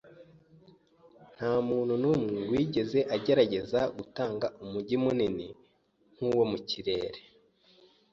Ntamuntu numwe wigeze agerageza gutanga umujyi munini nkuwo mu kirere.